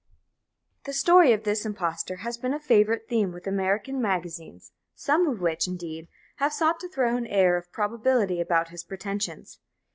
The story of this impostor has been a favourite theme with American magazines, some of which, indeed, have sought to throw an air of probability about his pretensions.